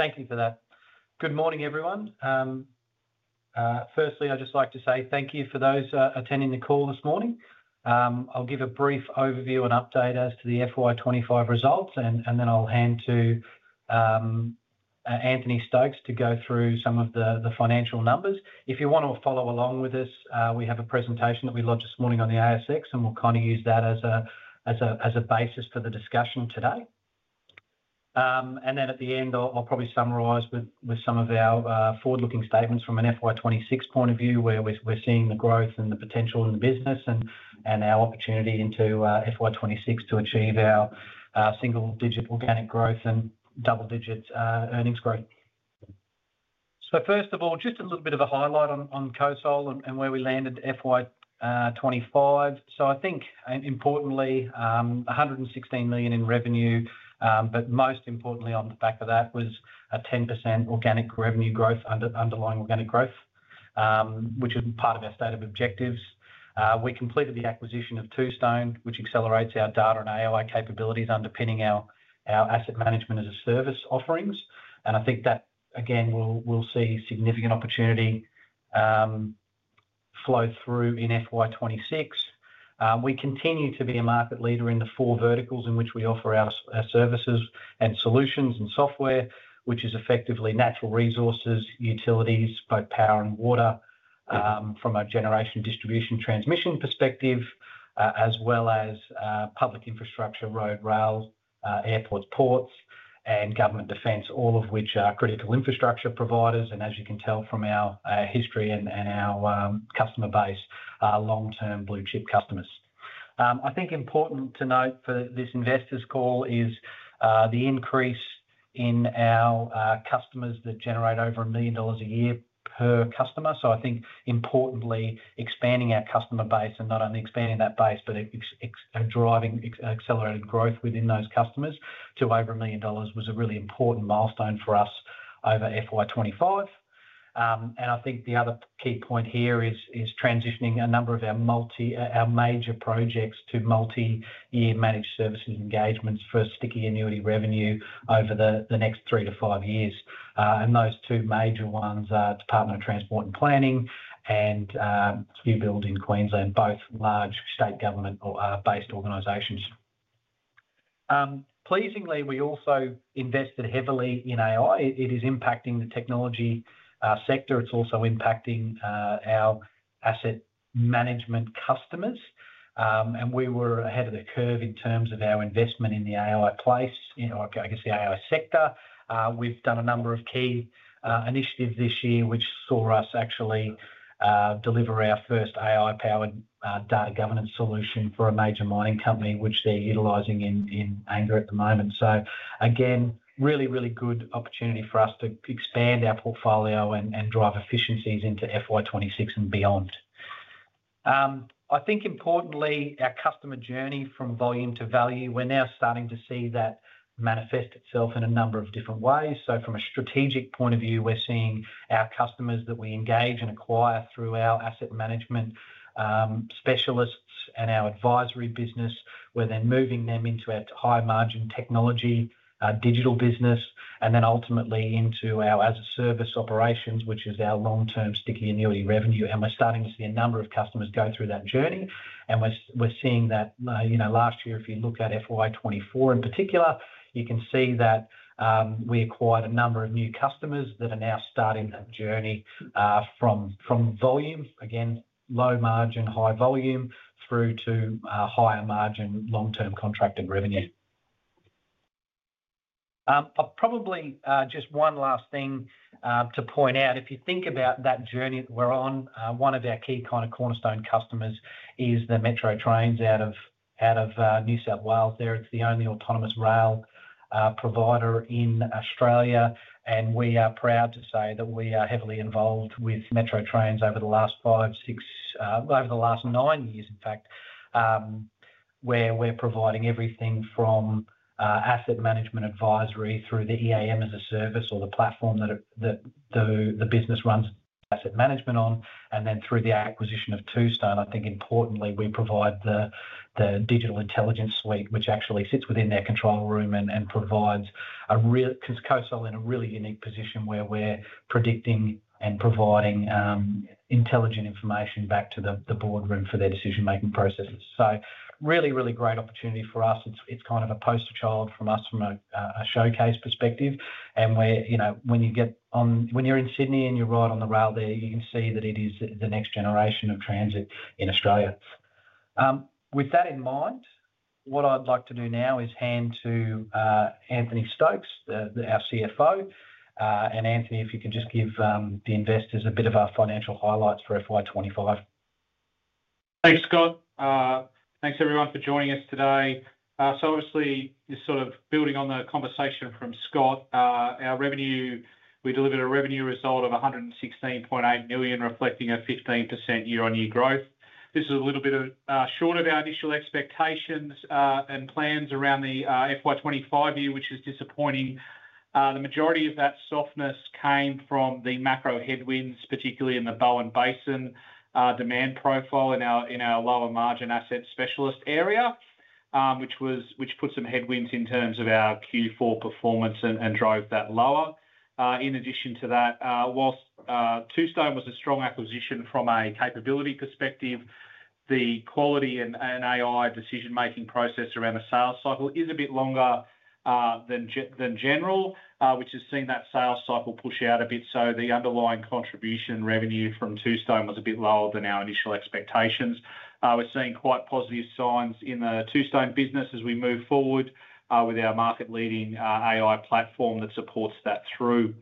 Thank you for that. Good morning, everyone. Firstly, I'd just like to say thank you for those attending the call this morning. I'll give a brief and update as to the FY 2025 results, and then I'll hand to Anthony Stokes to go through some of the financial numbers. If you want to follow along with us, we have a presentation that we logged this morning on the ASX, and we'll kind of use that as a basis for the discussion today. At the end, I'll probably summarize with some of our forward-looking statements from an FY 2026 point of view, where we're seeing the growth and the potential in the business and our opportunity into FY 2026 to achieve our single-digit organic growth and double-digit earnings growth. First of all, just a little bit of a highlight on COSOL and where we landed FY 2025. I think importantly, 116 million in revenue, but most importantly on the back of that was a 10% organic revenue growth, underlying organic growth, which was part of our stated objectives. We completed the acquisition of Toustone, which accelerates our data and AI capabilities underpinning our asset management as a service offerings. I think that, again, we'll see significant opportunity flow through in FY 2026. We continue to be a market leader in the four verticals in which we offer our services and solutions and software, which is effectively natural resources, utilities, both power and water from a generation, distribution, transmission perspective, as well as public infrastructure, road, rail, airports, ports, and government defense, all of which are critical infrastructure providers. As you can tell from our history and our customer base, long-term blue chip customers. I think important to note for this investors' call is the increase in our customers that generate over 1 million dollars a year per customer. Importantly, expanding our customer base and not only expanding that base, but driving accelerated growth within those customers to over 1 million dollars was a really important milestone for us over FY 2025. The other key point here is transitioning a number of our major projects to multi-year managed services engagements for sticky annuity revenue over the next three to five years. Those two major ones are Department of Transport and Planning and QBuild in Queensland, both large state government-based organizations. Pleasingly, we also invested heavily in AI. It is impacting the technology sector. It's also impacting our asset management customers. We were ahead of the curve in terms of our investment in the AI space, I guess the AI sector. We've done a number of key initiatives this year, which saw us actually deliver our first AI-powered data governance solution for a major mining company, which they're utilizing in anger at the moment. Really, really good opportunity for us to expand our portfolio and drive efficiencies into FY 2026 and beyond. I think importantly, our customer journey from volume to value, we're now starting to see that manifest itself in a number of different ways. From a strategic point of view, we're seeing our customers that we engage and acquire through our asset management specialists and our advisory business. We're then moving them into our high-margin technology digital business and ultimately into our as-a-service operations, which is our long-term sticky annuity revenue. We're starting to see a number of customers go through that journey. We're seeing that last year, if you look at FY 2024 in particular, you can see that we acquired a number of new customers that are now starting that journey from volume, low margin, high volume through to higher margin, long-term contract and revenue. Probably just one last thing to point out. If you think about that journey that we're on, one of our key cornerstone customers is the Metro Trains out of New South Wales. They're the only autonomous rail provider in Australia. We are proud to say that we are heavily involved with Metro Trains over the last five, six, over the last nine years, in fact, where we're providing everything from asset management advisory through the EAM as a service or the platform that the business runs asset management on. Through the acquisition of Toustone, I think importantly, we provide the digital intelligence suite, which actually sits within their control room and provides a real COSOL in a really unique position where we're predicting and providing intelligent information back to the boardroom for their decision-making processes. Really, really great opportunity for us. It's kind of a poster child for us from a showcase perspective. When you're in Sydney and you ride on the rail there, you can see that it is the next generation of transit in Australia. With that in mind, what I'd like to do now is hand to Anthony Stokes, our CFO. Anthony, if you could just give the investors a bit of our financial highlights for FY 2025. Thanks, Scott. Thanks, everyone, for joining us today. Obviously, you're sort of building on the conversation from Scott. Our revenue, we delivered a revenue result of 116.8 million, reflecting a 15% year-on-year growth. This is a little bit short of our initial expectations and plans around the FY 2025 year, which is disappointing. The majority of that softness came from the macro headwinds, particularly in the Bowen Basin demand profile in our lower margin asset specialist area, which put some headwinds in terms of our Q4 performance and drove that lower. In addition to that, whilst Toustone was a strong acquisition from a capability perspective, the quality and AI decision-making process around the sales cycle is a bit longer than general, which has seen that sales cycle push out a bit. The underlying contribution revenue from Toustone was a bit lower than our initial expectations. We're seeing quite positive signs in the Toustone business as we move forward with our market-leading AI platform that supports that through.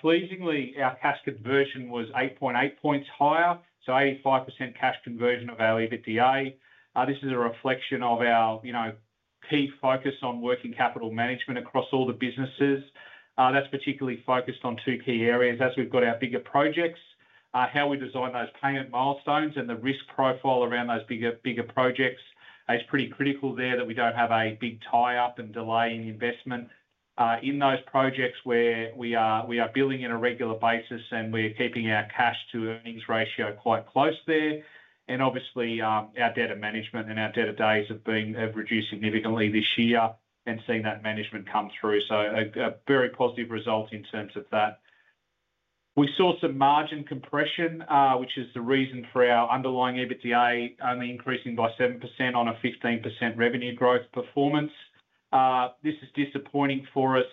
Pleasingly, our cash conversion was 8.8 points higher, so 85% cash conversion of our EBITDA. This is a reflection of our key focus on working capital management across all the businesses. That's particularly focused on two key areas. As we've got our bigger projects, how we design those payment milestones and the risk profile around those bigger projects is pretty critical there that we don't have a big tie-up and delay in investment in those projects where we are billing on a regular basis and we are keeping our cash to earnings ratio quite close there. Obviously, our debtor management and our debtor days have been reduced significantly this year and seeing that management come through. A very positive result in terms of that. We saw some margin compression, which is the reason for our underlying EBITDA only increasing by 7% on a 15% revenue growth performance. This is disappointing for us.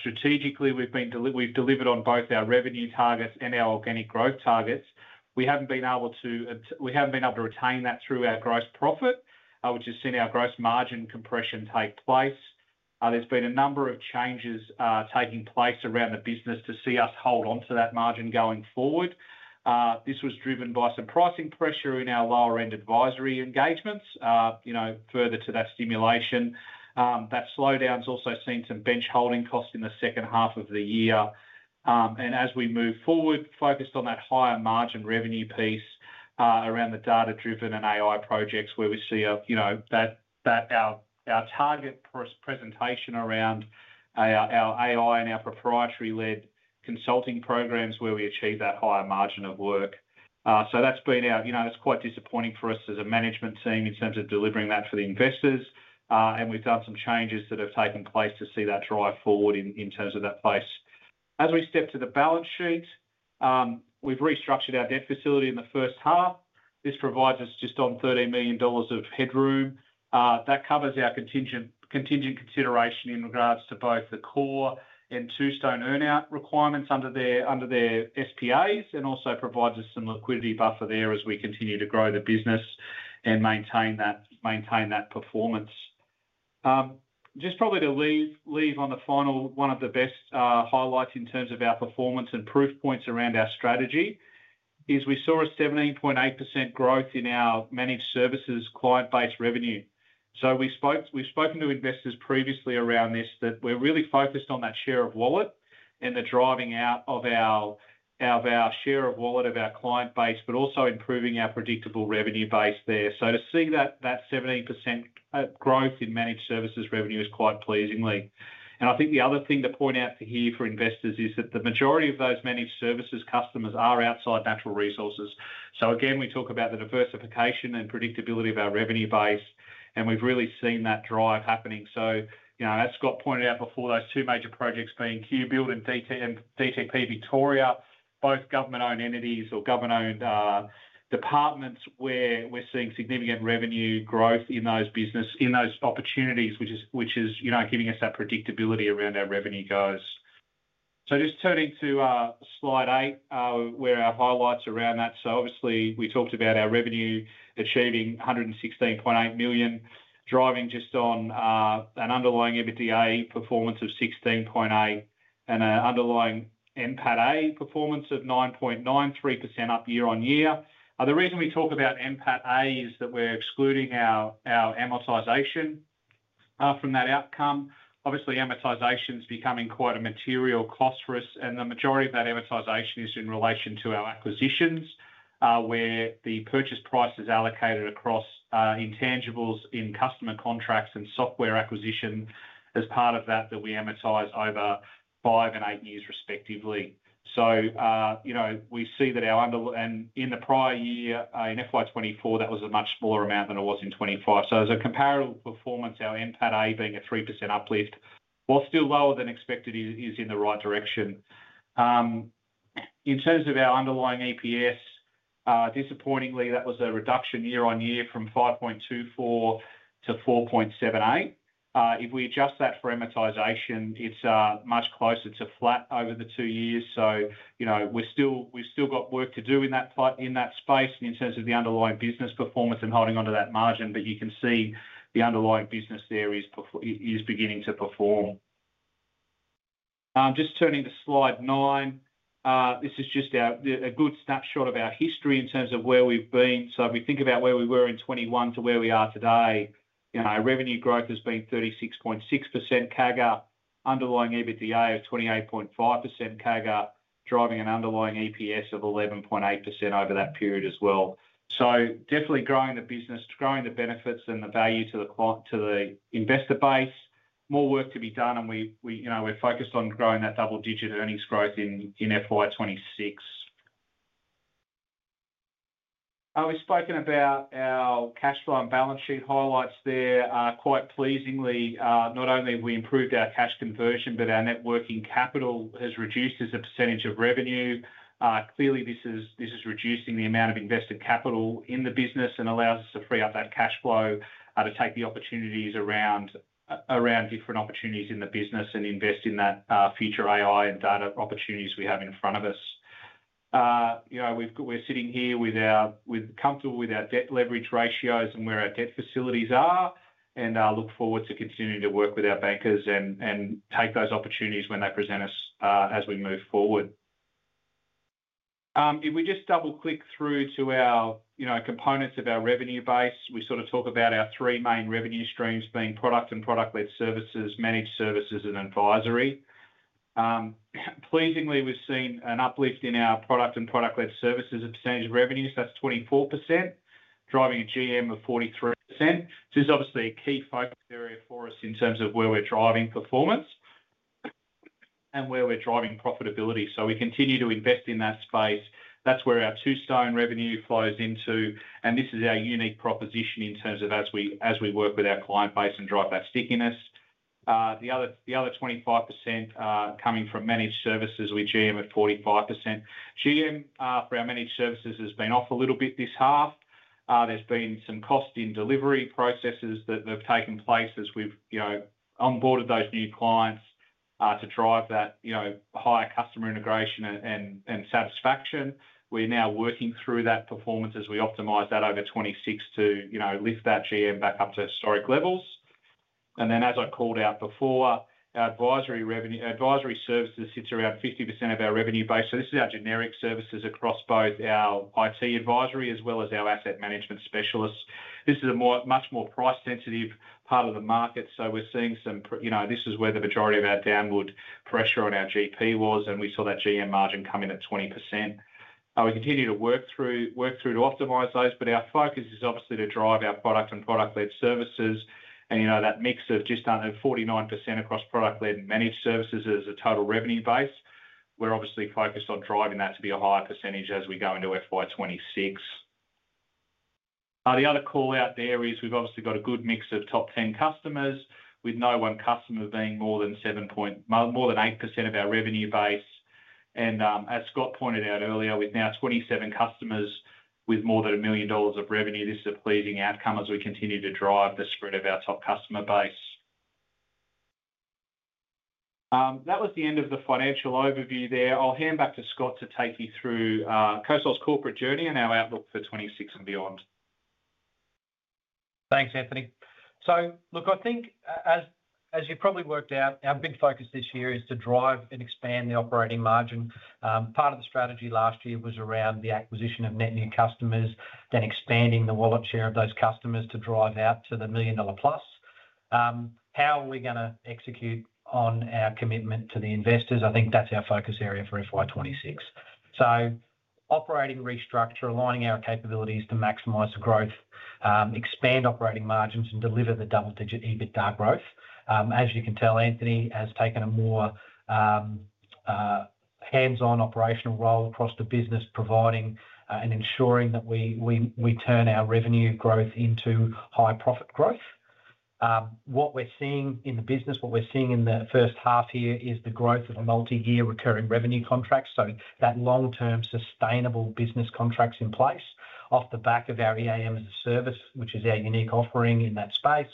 Strategically, we've delivered on both our revenue targets and our organic growth targets. We haven't been able to retain that through our gross profit, which has seen our gross margin compression take place. There have been a number of changes taking place around the business to see us hold on to that margin going forward. This was driven by some pricing pressure in our lower-end advisory engagements. Further to that stimulation, that slowdown has also seen some bench holding costs in the second half of the year. As we move forward, focused on that higher margin revenue piece around the data-driven and AI projects where we see that our target presentation around our AI and our proprietary-led consulting programs where we achieve that higher margin of work. That has been our, you know, it's quite disappointing for us as a management team in terms of delivering that for the investors. We've done some changes that have taken place to see that drive forward in terms of that place. As we step to the balance sheet, we've restructured our debt facility in the first half. This provides us just on 30 million dollars of headroom. That covers our contingent consideration in regards to both the core and Toustone earnout requirements under their SPAs and also provides us some liquidity buffer there as we continue to grow the business and maintain that performance. Probably to leave on the final one of the best highlights in terms of our performance and proof points around our strategy is we saw a 17.8% growth in our managed services client-based revenue. We've spoken to investors previously around this that we're really focused on that share of wallet and the driving out of our share of wallet of our client base, but also improving our predictable revenue base there. To see that 17% growth in managed services revenue is quite pleasing. I think the other thing to point out here for investors is that the majority of those managed services customers are outside natural resources. Again, we talk about the diversification and predictability of our revenue base, and we've really seen that drive happening. As Scott pointed out before, those two major projects being QBuild and DTP Victoria, both government-owned entities or government-owned departments where we're seeing significant revenue growth in those businesses, in those opportunities, which is giving us that predictability around our revenue goals. Turning to slide eight, where our highlights around that. Obviously, we talked about our revenue achieving 116.8 million, driving just on an underlying EBITDA performance of 16.8 million and an underlying NPAT-A performance of 9.93% up year-on-year. The reason we talk about NPAT-A is that we're excluding our amortization from that outcome. Obviously, amortization is becoming quite a material cluster, and the majority of that amortization is in relation to our acquisitions, where the purchase price is allocated across intangibles in customer contracts and software acquisition as part of that that we amortize over five and eight years respectively. We see that our underlying in the prior year in FY 2024, that was a much smaller amount than it was in 2025. As a comparable performance, our NPAT-A being a 3% uplift, while still lower than expected, is in the right direction. In terms of our underlying EPS, disappointingly, that was a reduction year-on-year from 0.0524 to 0.0478. If we adjust that for amortization, it's much closer to flat over the two years. We've still got work to do in that space in terms of the underlying business performance and holding on to that margin. You can see the underlying business there is beginning to perform. Just turning to slide nine, this is just a good snapshot of our history in terms of where we've been. If we think about where we were in 2021 to where we are today, revenue growth has been 36.6% CAGR, underlying EBITDA of 28.5% CAGR, driving an underlying EPS of 11.8% over that period as well. Definitely growing the business, growing the benefits and the value to the investor base, more work to be done. We are focused on growing that double-digit earnings growth in FY 2026. We've spoken about our cash flow and balance sheet highlights there. Quite pleasingly, not only have we improved our cash conversion, but our net working capital has reduced as a percentage of revenue. Clearly, this is reducing the amount of invested capital in the business and allows us to free up that cash flow to take the opportunities around different opportunities in the business and invest in that future AI and data opportunities we have in front of us. We're sitting here with our, we're comfortable with our debt leverage ratios and where our debt facilities are, and I look forward to continuing to work with our bankers and take those opportunities when they present us as we move forward. If we just double-click through to our components of our revenue base, we sort of talk about our three main revenue streams being product and product-led services, managed services, and advisory. Pleasingly, we've seen an uplift in our product and product-led services percentage of revenues. That's 24%, driving a GM of 43%. This is obviously a key focus area for us in terms of where we're driving performance and where we're driving profitability. We continue to invest in that space. That's where our Toustone revenue flows into. This is our unique proposition in terms of as we work with our client base and drive that stickiness. The other 25% are coming from managed services with GM at 45%. GM for our managed services has been off a little bit this half. There have been some costs in delivery processes that have taken place as we've onboarded those new clients to drive that higher customer integration and satisfaction. We're now working through that performance as we optimize that over 2026 to lift that GM back up to historic levels. As I called out before, our advisory services sit around 50% of our revenue base. This is our generic services across both our IT advisory as well as our asset management specialists. This is a much more price-sensitive part of the market. We're seeing some, this is where the majority of our downward pressure on our GP was, and we saw that GM margin come in at 20%. We continue to work through to optimize those, but our focus is obviously to drive our product and product-led services. That mix of just under 49% across product-led and managed services as a total revenue base, we're obviously focused on driving that to be a higher percentage as we go into FY 2026. The other call out there is we've obviously got a good mix of top 10 customers with no one customer being more than 7%, more than 8% of our revenue base. As Scott pointed out earlier, with now 27 customers with more than 1 million dollars of revenue, this is a pleasing outcome as we continue to drive the spread of our top customer base. That was the end of the financial overview there. I'll hand back to Scott to take you through COSOL's corporate journey and our outlook for 2026 and beyond. Thanks, Anthony. I think as you've probably worked out, our big focus this year is to drive and expand the operating margin. Part of the strategy last year was around the acquisition of net new customers, then expanding the wallet share of those customers to drive that to the 1 million dollar+. How are we going to execute on our commitment to the investors? I think that's our focus area for FY 2026. Operating restructure, aligning our capabilities to maximize the growth, expand operating margins, and deliver the double-digit EBITDA growth. As you can tell, Anthony has taken a more hands-on operational role across the business, providing and ensuring that we turn our revenue growth into high profit growth. What we're seeing in the business, what we're seeing in the first half here is the growth of multi-year recurring revenue contracts. That long-term sustainable business contracts in place off the back of our asset management as a service, which is our unique offering in that space.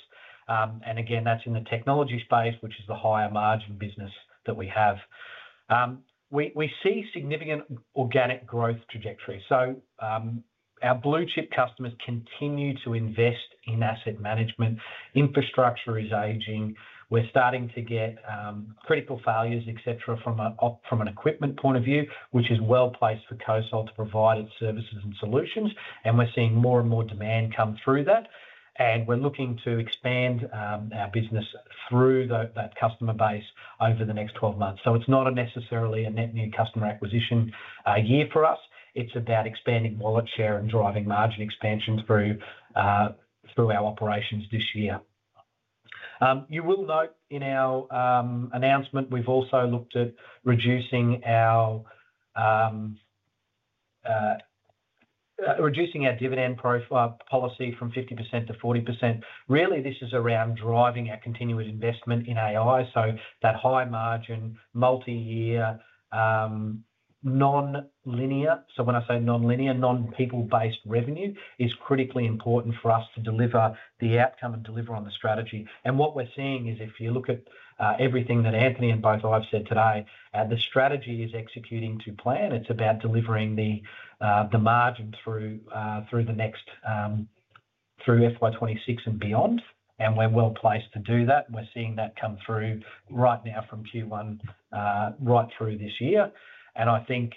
Again, that's in the technology space, which is the higher margin business that we have. We see significant organic growth trajectory. Our blue chip customers continue to invest in asset management. Infrastructure is aging. We're starting to get critical failures, etc., from an equipment point of view, which is well placed for COSOL to provide its services and solutions. We're seeing more and more demand come through that. We're looking to expand our business through that customer base over the next 12 months. It's not necessarily a net new customer acquisition year for us. It's about expanding wallet share and driving margin expansion through our operations this year. You will note in our announcement, we've also looked at reducing our dividend policy from 50% to 40%. This is around driving our continued investment in AI. That high margin, multi-year, non-linear, so when I say non-linear, non-people-based revenue is critically important for us to deliver the outcome and deliver on the strategy. What we're seeing is if you look at everything that Anthony and both I have said today, the strategy is executing to plan. It's about delivering the margin through the next FY 2026 and beyond. We're well placed to do that. We're seeing that come through right now from Q1, right through this year. I think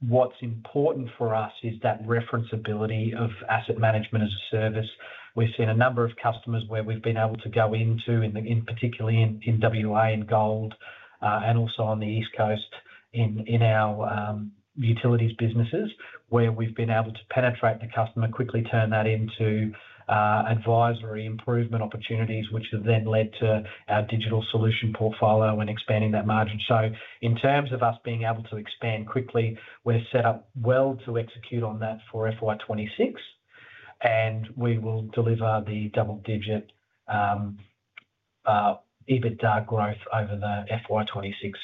what's important for us is that referenceability of asset management as a service. We've seen a number of customers where we've been able to go into, particularly in WA and gold, and also on the East Coast in our utilities businesses, where we've been able to penetrate the customer, quickly turn that into advisory improvement opportunities, which have then led to our digital solution portfolio and expanding that margin. In terms of us being able to expand quickly, we're set up well to execute on that for FY 2026. We will deliver the double-digit EBITDA growth over the FY 2026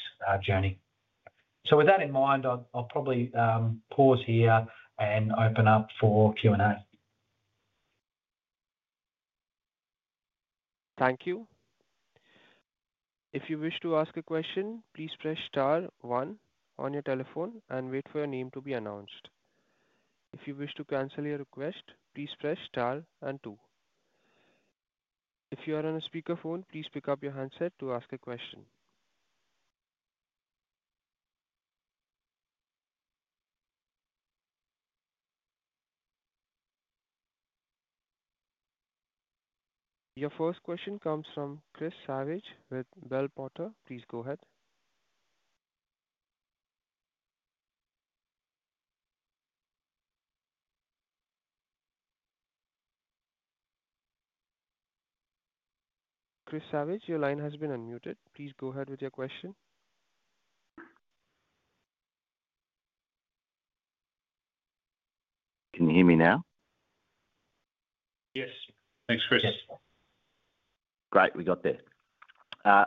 journey. With that in mind, I'll probably pause here and open up for Q&A. Thank you. If you wish to ask a question, please press star one on your telephone and wait for your name to be announced. If you wish to cancel your request, please press star and two. If you are on a speakerphone, please pick up your handset to ask a question. Your first question comes from Chris Savage with Bell Potter. Please go ahead. Chris Savage, your line has been unmuted. Please go ahead with your question. Can you hear me now? Yes. Thanks, Chris. Great, we got there.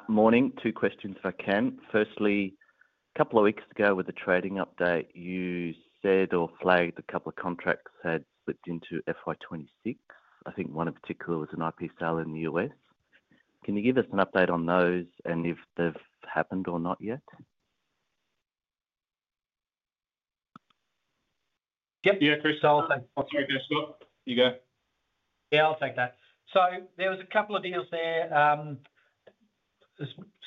Morning. Two questions if I can. Firstly, a couple of weeks ago with the trading update, you said or flagged a couple of contracts had slipped into FY 2026. I think one in particular was an IP sale in the U.S. Can you give us an update on those and if they've happened or not yet? Yeah, Chris, I'll take that. There was a couple of deals there.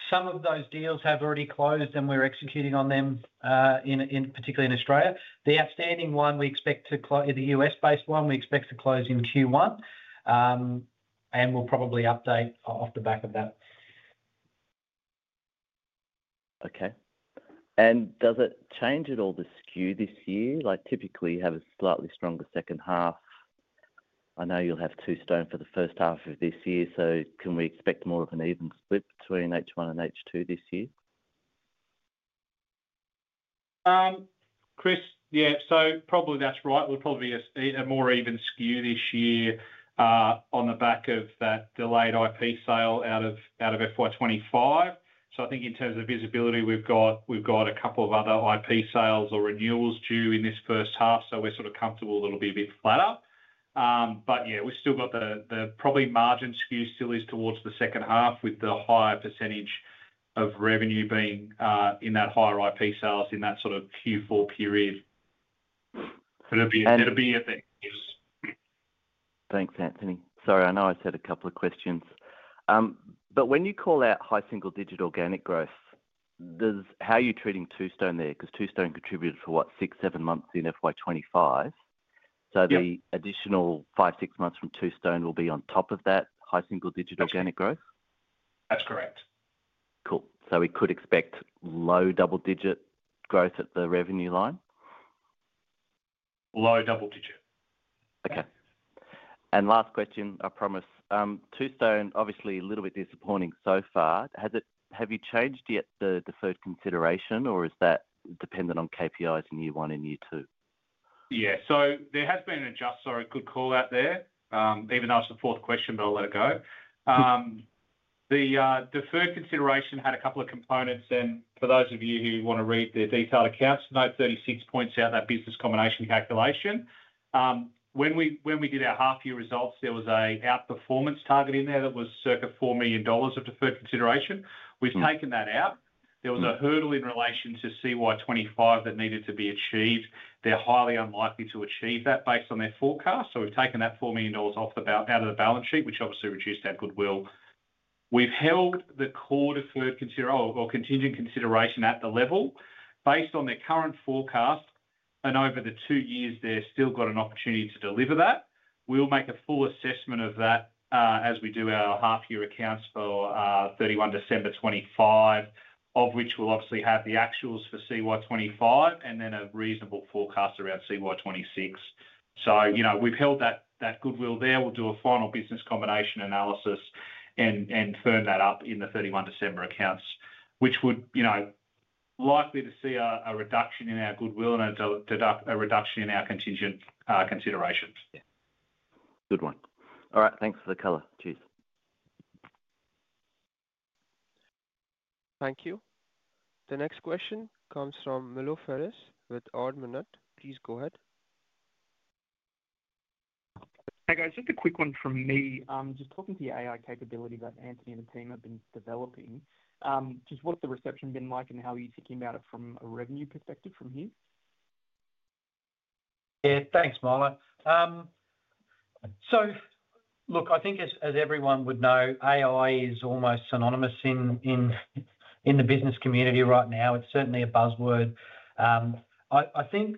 Some of those deals have already closed and we're executing on them, particularly in Australia. The outstanding one, the U.S.-based one, we expect to close in Q1. We'll probably update off the back of that. Okay. Does it change at all the skew this year? Typically, you have a slightly stronger second half. I know you'll have Toustone for the first half of this year. Can we expect more of an even split between H1 and H2 this year? Chris, yeah, that's right. We'll probably see a more even skew this year on the back of that delayed IP sale out of FY 2025. I think in terms of visibility, we've got a couple of other IP sales or renewals due in this first half. We're sort of comfortable that it'll be a bit flatter. We've still got the probably margin skew still is towards the second half with the higher percentage of revenue being in that higher IP sales in that Q4 period. Thanks, Anthony. Sorry, I know I said a couple of questions. When you call out high single digit organic growth, how are you treating Toustone there? Toustone contributed for what, six, seven months in FY 2025. The additional five, six months from Toustone will be on top of that high single digit organic growth? That's correct. Cool. We could expect low double digit growth at the revenue line? Low double digit. Okay. Last question, I promise. Toustone, obviously a little bit disappointing so far. Have you changed yet the deferred consideration, or is that dependent on KPIs in year one and year two? There has been an adjust, sorry, quick call out there. Even though it's the fourth question, I'll let it go. The deferred consideration had a couple of components. For those of you who want to read the detailed accounts, note 36 points out of that business combination calculation. When we did our half-year results, there was an outperformance target in there that was circa 4 million dollars of deferred consideration. We've taken that out. There was a hurdle in relation to CY 2025 that needed to be achieved. They're highly unlikely to achieve that based on their forecast. We've taken that 4 million dollars off the balance sheet, which obviously reduced our goodwill. We've held the core deferred consideration or contingent consideration at the level. Based on their current forecast and over the two years, they've still got an opportunity to deliver that. We'll make a full assessment of that as we do our half-year accounts for 31 December 2025, of which we'll obviously have the actuals for CY 2025 and then a reasonable forecast around CY 2026. We've held that goodwill there. We'll do a final business combination analysis and firm that up in the 31 December accounts, which would likely see a reduction in our goodwill and a reduction in our contingent considerations. Yeah, good one. All right, thanks for the color. Cheers. Thank you. The next question comes from Milo Ferris with Ord Minnett. Please go ahead. Okay, just a quick one from me. Just talking to your AI capability that Anthony and the team have been developing. What's the reception been like, and how are you thinking about it from a revenue perspective from here? Yeah, thanks, Milo. I think as everyone would know, AI is almost synonymous in the business community right now. It's certainly a buzzword. I think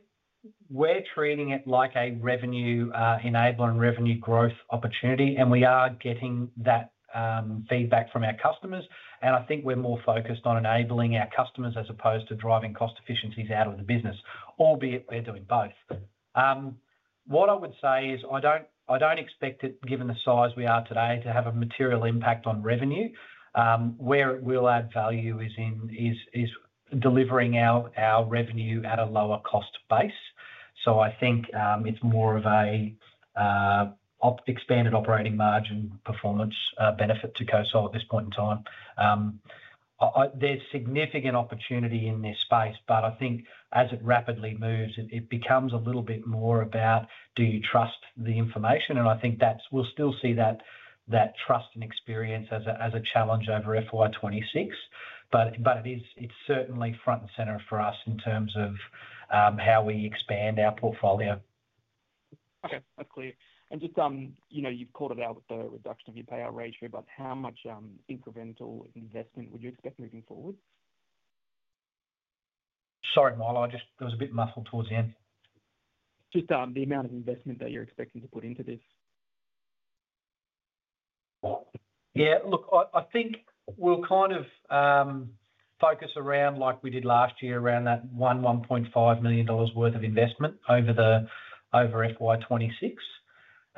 we're treating it like a revenue enabler and revenue growth opportunity, and we are getting that feedback from our customers. I think we're more focused on enabling our customers as opposed to driving cost efficiencies out of the business, albeit we're doing both. What I would say is I don't expect it, given the size we are today, to have a material impact on revenue. Where it will add value is in delivering our revenue at a lower cost base. I think it's more of an expanded operating margin performance benefit to COSOL at this point in time. There's significant opportunity in this space, but I think as it rapidly moves, it becomes a little bit more about do you trust the information? I think we'll still see that trust and experience as a challenge over FY 2026. It's certainly front and center for us in terms of how we expand our portfolio. Okay, that's clear. You've called it out with the reduction of your payout ratio, but how much incremental investment would you expect moving forward? Sorry, Miloa, it was a bit muffled towards the end. Just the amount of investment that you're expecting to put into this. Yeah, look, I think we'll focus around, like we did last year, around that 1.5 million dollars worth of investment over FY 2026.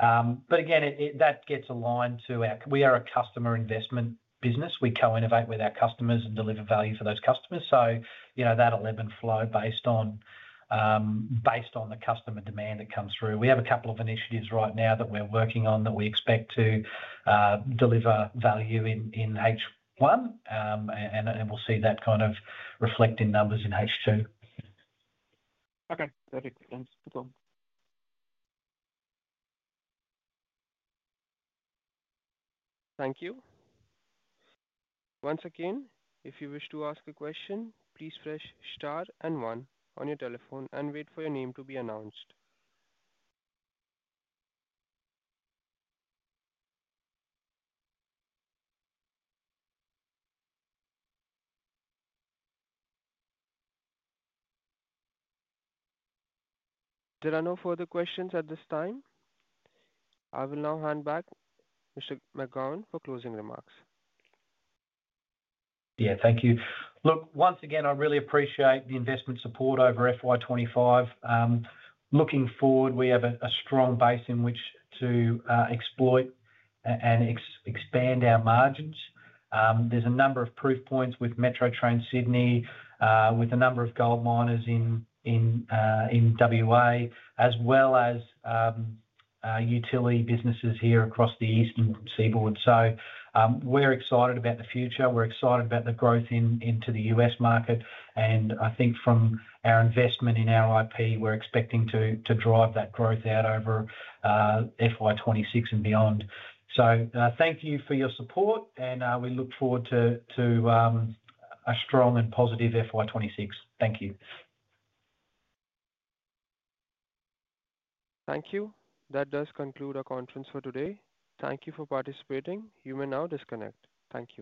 Again, that gets aligned to our, we are a customer investment business. We co-innovate with our customers and deliver value for those customers. That will then flow based on the customer demand that comes through. We have a couple of initiatives right now that we're working on that we expect to deliver value in1, and we'll see that reflect in numbers in H2. Okay, perfect. Thanks. Good one. Thank you. Once again, if you wish to ask a question, please press star and one on your telephone and wait for your name to be announced. There are no further questions at this time. I will now hand back to Mr. McGowan for closing remarks. Thank you. I really appreciate the investment support over FY 2025. Looking forward, we have a strong base in which to exploit and expand our margins. There are a number of proof points with Metro Train Sydney, with a number of gold miners in WA, as well as utility businesses here across the eastern seaboard. We're excited about the future. We're excited about the growth into the U.S. market. I think from our investment in our IP, we're expecting to drive that growth out over FY 2026 and beyond. Thank you for your support, and we look forward to a strong and positive FY 2026. Thank you. Thank you. That does conclude our conference for today. Thank you for participating. You may now disconnect. Thank you.